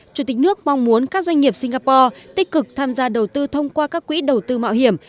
chủ tịch nước mong muốn các doanh nghiệp singapore tích cực tham gia đầu tư thông qua các quỹ đầu tư mạo hiểm